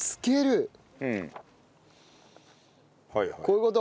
こういう事？